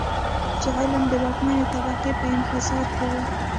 چې علم د واکمنې طبقې په انحصار کې و.